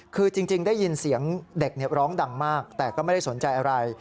คือจริงได้ยินเสียงเด็กร้องดังมากแต่ก็ไม่ได้สนใจอะไร